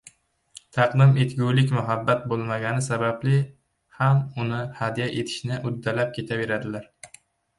taqdim etgulik muhabbat bo‘lmagani sababli ham uni hadya etishni uddalab ketaveradilar.